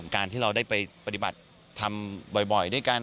การที่เราได้ไปปฏิบัติธรรมบ่อยด้วยกัน